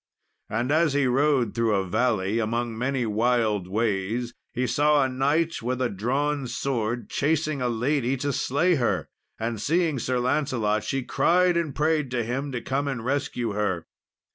And as he rode through a valley, among many wild ways, he saw a knight, with a drawn sword, chasing a lady to slay her. And seeing Sir Lancelot, she cried and prayed to him to come and rescue her.